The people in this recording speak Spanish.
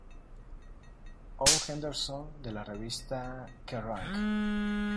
Paul Henderson de la revista "Kerrang!